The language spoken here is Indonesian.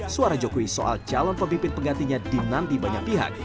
suara jokowi soal calon pemimpin penggantinya dinanti banyak pihak